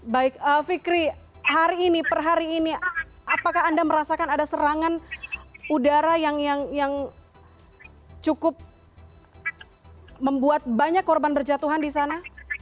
baik fikri hari ini per hari ini apakah anda merasakan ada serangan udara yang cukup membuat banyak korban berjatuhan di sana